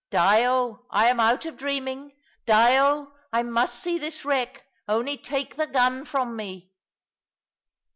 "Dyo, I am out of dreaming. Dyo, I must see this wreck; only take the gun from me."